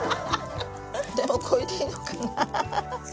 でもこれでいいのかな？